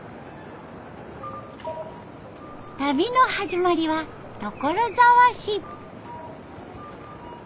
旅の始まりは所沢市。